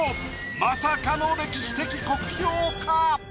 まさかの歴史的酷評か？